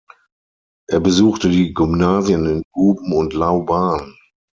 Er besuchte die Gymnasien in Guben und Lauban.